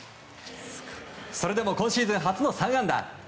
それでも今シーズン初の３安打。